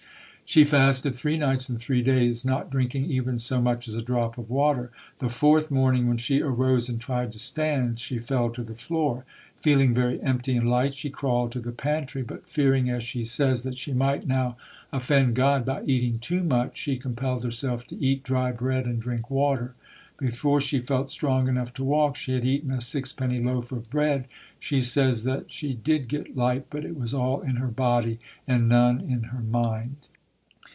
She fasted three nights and three days, not drinking even so much as a drop of water. The fourth morning when she arose and tried to stand, she fell to the floor. Feeling very empty and light, she crawled to the pantry, but fearing, as she says, that she might now offend God by eating too much, she compelled herself to eat dry bread and drink water. Before she felt strong enough to 220 ] UNSUNG HEROES walk she had eaten a six penny loaf of bread. She says that she did get light, but it was all in her body and none in her mind.